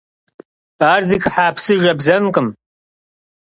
Ar zıxıha psı jjebzenkhım.